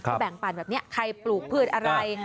เขาแบ่งปั่นแบบนี้ใครปลูกพืชอะไร